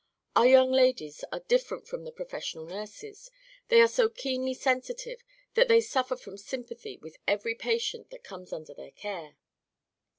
Our young ladies are different from the professional nurses; they are so keenly sensitive that they suffer from sympathy with every patient that comes under their care."